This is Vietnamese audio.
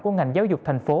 của ngành giáo dục thành phố